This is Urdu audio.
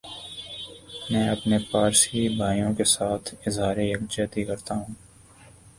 میں اپنے پارسی بھائیوں کیساتھ اظہار یک جہتی کرتا ھوں